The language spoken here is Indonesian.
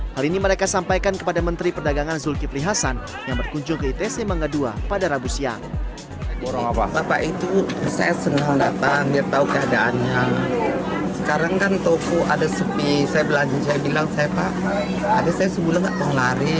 hal ini mereka sampaikan kepada menteri perdagangan zulkifli hasan yang berkunjung ke itc mangga ii pada rabu siang